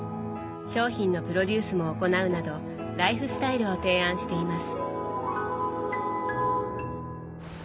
商品のプロデュースも行うなどライフスタイルを提案しています。